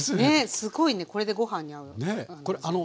すごいねこれでご飯に合うの。